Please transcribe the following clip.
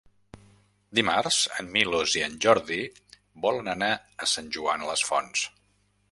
Dimarts en Milos i en Jordi volen anar a Sant Joan les Fonts.